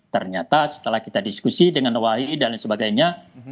ternyata setelah kita diskusi dengan wai dan lain sebagainya